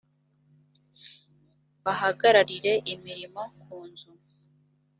bahagararire imirimo ku nzu